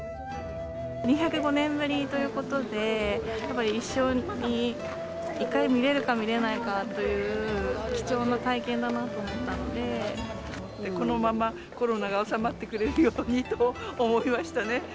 ２０５年ぶりということで、やっぱり一生に１回見れるか見れないかという貴重な体験だなと思このままコロナが収まってくれるようにと思いましたね。